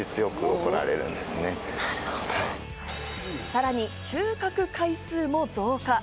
さらに収穫回数も増加。